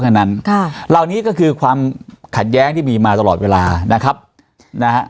เท่านั้นค่ะเหล่านี้ก็คือความขัดแย้งที่มีมาตลอดเวลานะครับนะฮะ